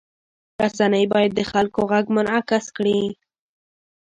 رسنۍ باید د خلکو غږ منعکس کړي.